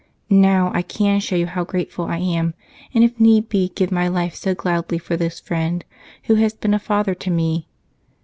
Now I can show you how grateful I am, and if need be give my life so gladly for this friend who has been a father to me.